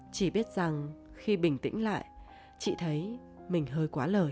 chị biết rằng khi bình tĩnh lại chị thấy mình hơi quá lời